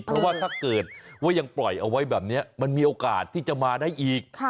เพราะว่าถ้าเกิดว่ายังปล่อยเอาไว้แบบนี้มันมีโอกาสที่จะมาได้อีก